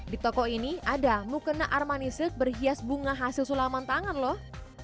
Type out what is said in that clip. di toko ini ada mukena armanisir berhias bunga hasil sulaman tangan loh